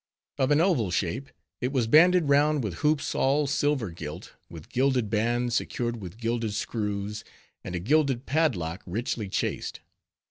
Of an oval shape, it was banded round with hoops all silver gilt, with gilded bands secured with gilded screws, and a gilded padlock, richly chased.